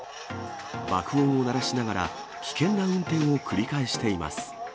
爆音を鳴らしながら、危険な運転を繰り返しています。